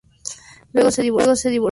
Luego, se divorciaron.